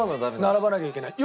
並ばなきゃいけない。